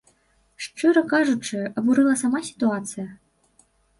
Шчыра кажучы, абурыла сама сітуацыя.